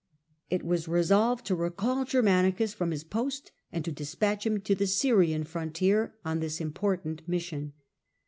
It was resolved to recall Germanicus from his post and to dispatch him to the Syrian frontier on this ^^ important mission.